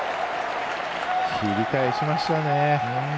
切り替えしましたね。